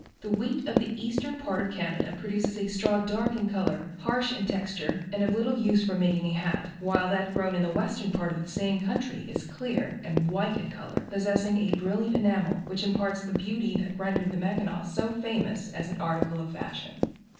The wheat of the eastern part of Canada produces a straw dark in color, harsh in texture, and of little use for making a hat, while that grown in the western part of the same country is clear and white in color, possessing a brilliant enamel which imparts the beauty that rendered the Mackinaw so famous as an article of fashion.